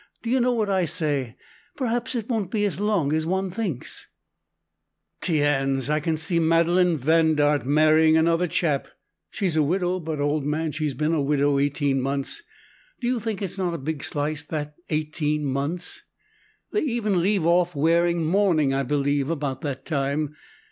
Do you know what I say? perhaps it won't be as long as one thinks " "Tiens! I can see Madeleine Vandaert marrying another chap. She's a widow; but, old man, she's been a widow eighteen months. Do you think it's not a big slice, that, eighteen months? They even leave off wearing mourning, I believe, about that time!